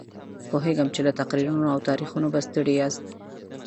پوهېږم چې له تقریرونو او تاریخونو به ستړي یاست.